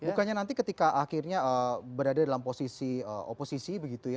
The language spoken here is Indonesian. bukannya nanti ketika akhirnya berada dalam posisi oposisi